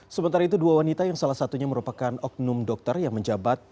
sementara itu dua wanita yang salah satunya merupakan oknum dokter yang menjabat